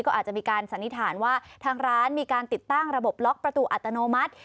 ก็อาจจะมีการสันนิษฐานว่าทางร้านมีการติดตั้งระบบล็อกประตูอัตโนมัติ